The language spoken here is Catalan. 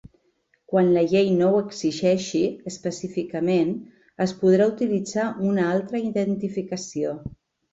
Quan la llei no ho exigeixi específicament, es podrà utilitzar una altra identificació.